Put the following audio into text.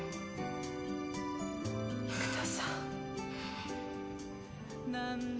育田さん。